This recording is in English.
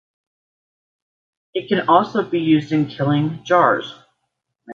It can also be used in killing jars.